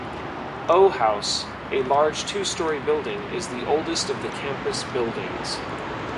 O House, a large two-story building, is the oldest of the campus buildings.